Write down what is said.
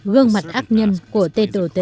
gương mặt ác nhân của tên đồ tể